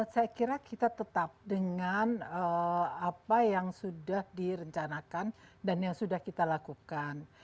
saya kira kita tetap dengan apa yang sudah direncanakan dan yang sudah kita lakukan